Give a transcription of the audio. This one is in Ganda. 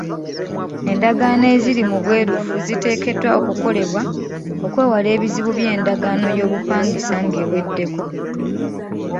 Endagaano eziri mu bwerufu ziteekeddwa okukolebwa okwewala ebizibu by'endagaano y'obupangisa ng'eweddeko.